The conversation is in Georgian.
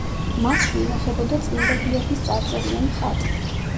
მასში ინახებოდა წმინდა გიორგის წარწერიანი ხატი.